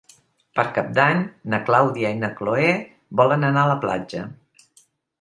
Per Cap d'Any na Clàudia i na Cloè volen anar a la platja.